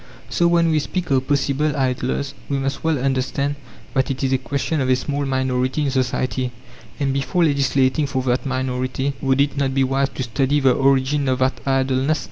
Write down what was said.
So when we speak of possible idlers, we must well understand that it is a question of a small minority in society; and before legislating for that minority, would it not be wise to study the origin of that idleness?